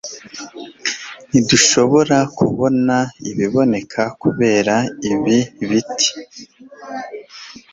Ntidushobora kubona ibiboneka kubera ibi biti.